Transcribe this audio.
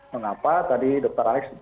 mengapa tadi dr alex